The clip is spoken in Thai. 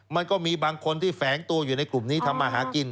มันก็มีบางคนที่แฝงตัวอยู่ในกลุ่มนี้ทำมาหากิน